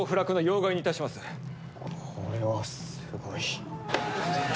これはすごい。